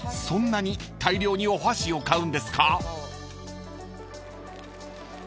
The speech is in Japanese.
そんなに大量にお箸を買うんですか？］